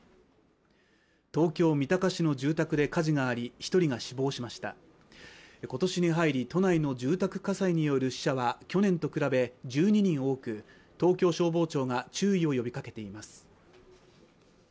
東京・三鷹市の住宅で火事があり一人が死亡しました今年に入り都内の住宅火災による死者は去年と比べ１２人多く東京消防庁が注意を呼びかけています